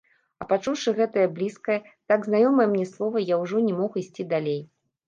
А пачуўшы гэтае блізкае, так знаёмае мне слова, я ўжо не мог ісці далей.